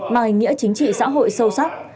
mang hình nghĩa chính trị xã hội sâu sắc